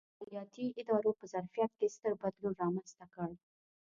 د مالیاتي ادارو په ظرفیت کې ستر بدلون رامنځته کړ.